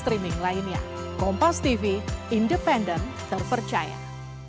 terima kasih dan meriah